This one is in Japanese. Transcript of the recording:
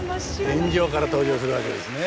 天井から登場するわけですね。